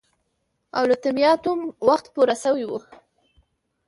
اولتیماتوم وخت پوره شوی وو.